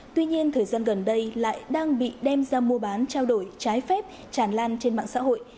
tuy nhiên thời gian gần đây lại đang bị đem ra mua bán trao đổi trái phép tràn lan trên mạng xã hội